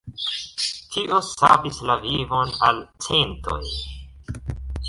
Tio savis la vivon al centoj.